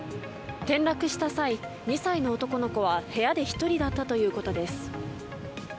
転落した際、２歳の男の子は部屋で１人だったということです。